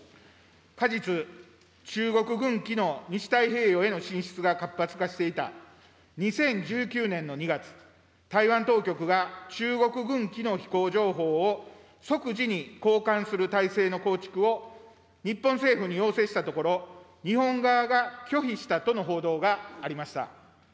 過日、中国軍機の西太平洋への進出が活発化していた２０１９年の２月、台湾当局が中国軍機の飛行情報を即時に交換する体制の構築を日本政府に要請したところ、日本側が拒否したとの報道がありました。